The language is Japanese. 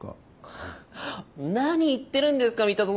はあ何言ってるんですか三田園さん。